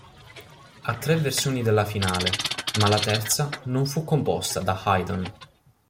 Ha tre versioni della Finale, ma la terza non fu composta da Haydn.